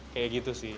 kayak gitu sih